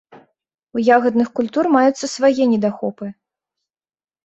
У ягадных культур маюцца свае недахопы.